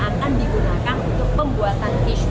akan digunakan untuk pembuatan cash